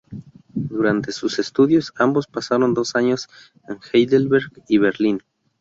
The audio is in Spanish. Durante sus estudios ambos pasaron dos años en Heidelberg y Berlín.